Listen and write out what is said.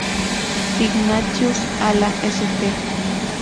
Ignatius, a la St.